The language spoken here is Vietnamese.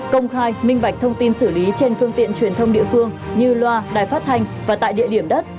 công khai minh bạch thông tin xử lý trên phương tiện truyền thông địa phương như loa đài phát thanh và tại địa điểm đất